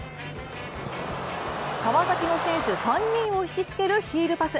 川崎の選手３人を引き付けるヒールパス。